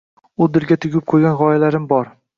U dilga tugib qo‘ygan g‘oyalarim bor.